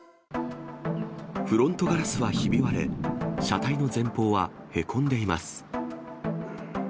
フロントガラスはひび割れ、車体の前方はへこんでいます。